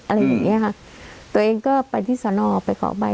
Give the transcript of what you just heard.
อะไรอย่างเงี้ยค่ะตัวเองก็ไปที่สนไปขอใบ